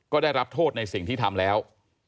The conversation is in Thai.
ก็ได้รับโทษในสิ่งที่ทำแล้ว